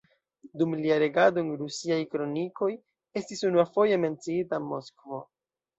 Dum lia regado en rusiaj kronikoj estis unuafoje menciita Moskvo.